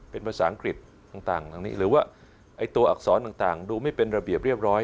เป็นภาษาอังกฤษต่างตรงนี้หรือว่าตัวอักษรต่างดูไม่เป็นระเบียบเรียบร้อย